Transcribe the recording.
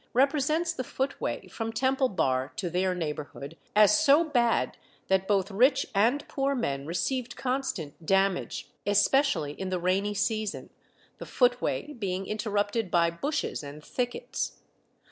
represents the footway from Temple Bar to their neighbourhood as so bad that both rich and poor men received constant damage, especially in the rainy season, the footway being interrupted by bushes and thickets.